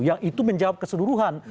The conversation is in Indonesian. yang itu menjawab keseluruhan